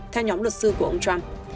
theo nhóm luật sư của ông trump